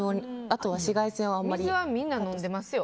あとは紫外線をあまり。